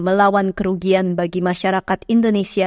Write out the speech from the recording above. melawan kerugian bagi masyarakat indonesia